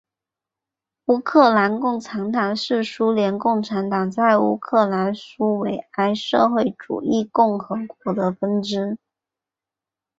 乌克兰共产党是苏联共产党在乌克兰苏维埃社会主义共和国的分支。